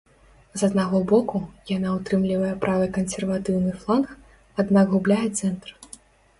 З аднаго боку, яна ўтрымлівае правы кансерватыўны фланг, аднак губляе цэнтр.